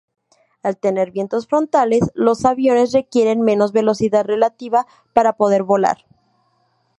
Al tener vientos frontales, los aviones requieren menos velocidad relativa para poder volar.